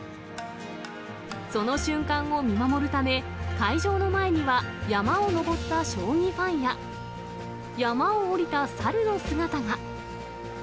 その瞬間を見守るため、会場の前には山を登った将棋ファンや、山を下りたサルの姿が。